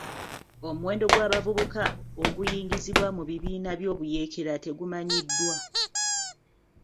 Omuwendo gw'abavubuka oguyingizibwa mu bibiina by'obuyeekera tegumanyiddwa.